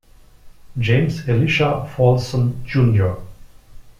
James Elisha Folsom Jr.